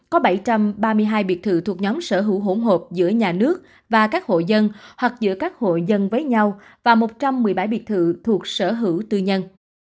có bảy trăm ba mươi hai biệt thự thuộc nhóm sở hữu hỗn hợp giữa nhà nước và các hộ dân hoặc giữa các hộ dân với nhau và một trăm một mươi bảy biệt thự thuộc sở hữu tư nhân